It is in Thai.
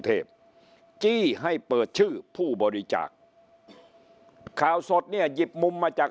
เทพจี้ให้เปิดชื่อผู้บริจาคข่าวสดเนี่ยหยิบมุมมาจาก